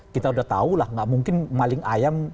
kita udah tahu lah nggak mungkin maling ayam